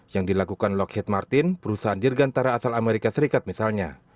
yang dilakukan lockheed martin perusahaan dirgantara asal amerika serikat misalnya